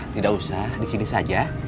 tidakusah di sini saja